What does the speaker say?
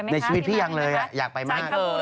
ในชีวิตพี่ยังเลยอยากไปมาก